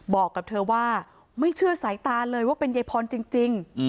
บอกกับเธอว่าไม่เชื่อสายตาเลยว่าเป็นยายพรจริง